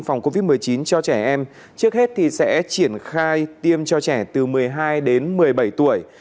phòng covid một mươi chín cho trẻ em trước hết thì sẽ triển khai tiêm cho trẻ từ một mươi hai đến một mươi bảy tuổi